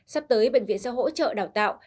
sắp tới bệnh viện sẽ hỗ trợ đào tạo